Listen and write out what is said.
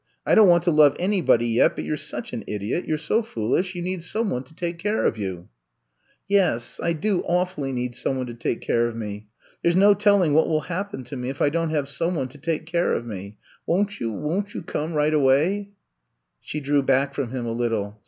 I don 't want to love anybody yet^ but you 're such an idiot, you 're so foolish,, you need some one to take care of you. ''Yes, I do awfully need some one to take care of me. There 's no telling what will happen to me if I don't have some one to take care of me. Won't you, won't you come right awayt" She drew back from him a little.